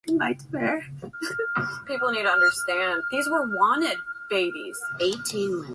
The Ume River has since been extensively cultivated for hydroelectric power.